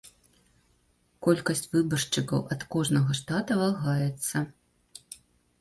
Колькасць выбаршчыкаў ад кожнага штата вагаецца.